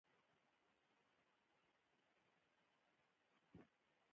که استاد په فساد کې عدالت وکړي نو څوک ورته څه نه وايي